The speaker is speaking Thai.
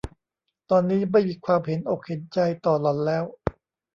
ตอนนี้ไม่มีความเห็นอกเห็นใจต่อหล่อนแล้ว